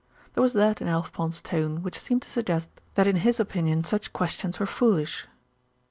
There was that in Alf Pond's tone which seemed to suggest that in his opinion such questions were foolish.